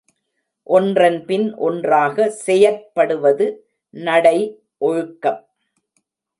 ஒன்றன்பின் ஒன்றாக செயற்படுவது நடை ஒழுக்கம்.